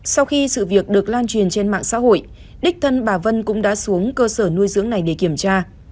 sau khi sự việc được lan truyền trên mạng xã hội đích thân bà vân cũng đã xuống cơ sở nuôi dưỡng này để kiểm tra